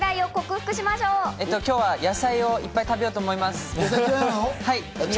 今日は野菜をいっぱい食べようと思います。